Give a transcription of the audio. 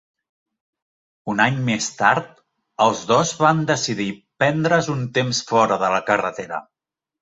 Un any més tard, els dos van decidir prendre"s un temps fora de la carretera.